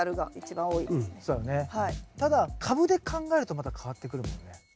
ただ株で考えるとまた変わってくるもんね。